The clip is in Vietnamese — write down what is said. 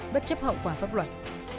bất chấp hậu quả pháp luật